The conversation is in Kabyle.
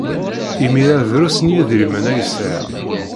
Imir-a, drus n yidrimen ay sɛiɣ.